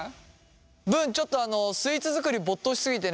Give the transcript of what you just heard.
ぶんちょっとあのスイーツ作り没頭し過ぎてね